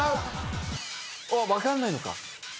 分かんないのか。